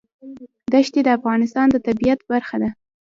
دښتې د افغانستان د طبیعت برخه ده.